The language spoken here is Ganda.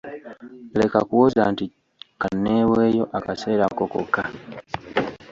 Leka kuwoza nti kanneeweeyo akaseera ako kokka.